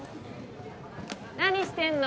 何してんの？